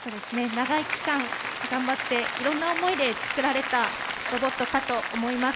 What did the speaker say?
長い期間頑張っていろんな思いで作られたロボットかと思います。